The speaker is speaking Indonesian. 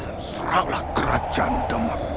dan serahlah kerajaan denganmu